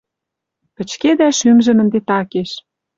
Пӹчкедӓ шӱмжӹм ӹнде такеш